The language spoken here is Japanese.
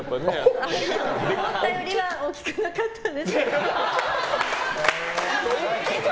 思ったよりは大きくなかったです。